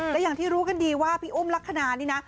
และอย่างที่รู้กันดีว่าพี่อุ้มลักษณะนี่นะ